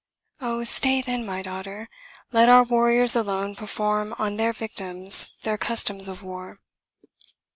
Oh! stay then, my daughter; let our warriors alone perform on their victims their customs of war!"